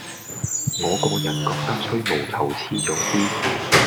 我個人覺得吹毛求疵左啲